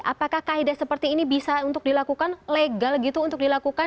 apakah kaedah seperti ini bisa untuk dilakukan legal gitu untuk dilakukan